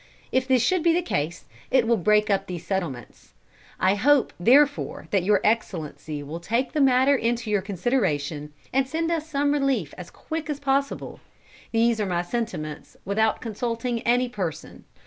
If this should be the case, it will break up these settlements. I hope therefore that Your Excellency will take the matter into your consideration, and send us some relief as quick as possible. These are my sentiments without consulting any person.